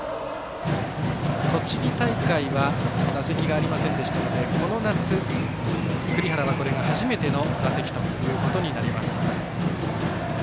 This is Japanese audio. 栃木大会は打席がありませんでしたのでこの夏、栗原はこれが初めての打席ということになります。